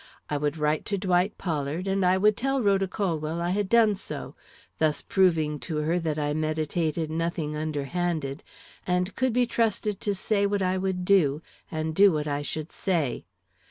I would write to Dwight Pollard, and I would tell Rhoda Colwell I had done so, thus proving to her that I meditated nothing underhanded, and could be trusted to say what I would do, and do what I should say.